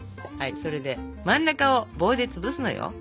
それで真ん中を棒でつぶすのよ。